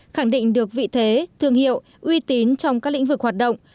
khẳng định được vị thế thương hiệu uy tín trong các lĩnh vực hoạt động